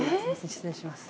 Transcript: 失礼します。